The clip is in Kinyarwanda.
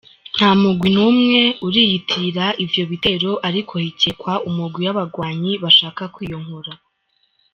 Nta mugwi n'umwe uriyitirira ivyo bitero, ariko hikekwa umugwi w'abagwanyi bashaka kwiyonkora.